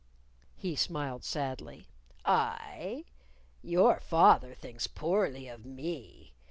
He smiled sadly. "I? Your father thinks poorly of me.